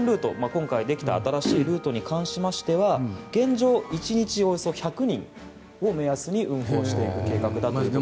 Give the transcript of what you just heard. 今回、できた新しいルートに関しては現状、１日およそ１００人を目安に運行していく計画だということで。